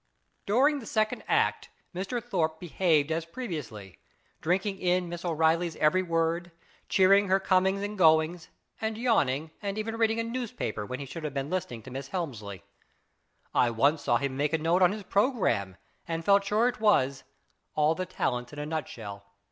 II. DURING the second act Mr. Thorpe behaved as previously, drinking in Miss O'Reilly's every word, cheering her comings and goings, arid yawning, and even reading a newspaper, when he should have been listening to Miss Helrnsley. Once I saw him make a note on his programme, and felt sure it was, " All the talents in a nut shell."